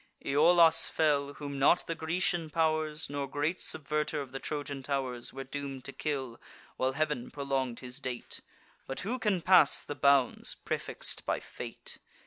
Iolas fell, whom not the Grecian pow'rs, Nor great subverter of the Trojan tow'rs, Were doom'd to kill, while Heav'n prolong'd his date; But who can pass the bounds, prefix'd by fate?